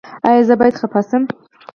ایا زه باید خفه شم؟